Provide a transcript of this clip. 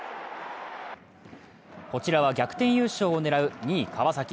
こちらは逆転優勝を狙う２位・川崎。